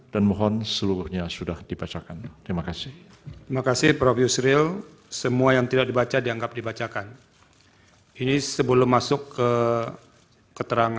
dan mohon seluruhnya berhubungan dengan kebenaran